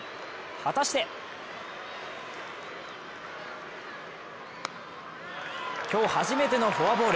果たして今日初めてのフォアボール。